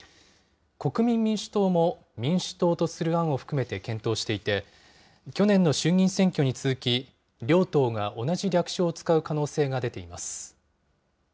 国民民主党も民主党とする案を含めて検討していて、去年の衆議院選挙に続き、両党が同じ略称を使う可能性が出ています。